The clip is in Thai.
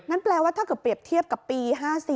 แปลว่าถ้าเกิดเปรียบเทียบกับปี๕๔